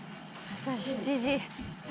朝７時。